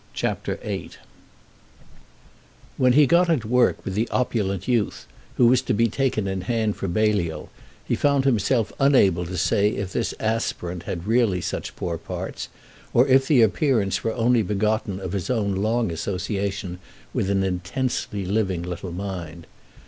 CHAPTER VIII When he got at work with the opulent youth, who was to be taken in hand for Balliol, he found himself unable to say if this aspirant had really such poor parts or if the appearance were only begotten of his own long association with an intensely living little mind.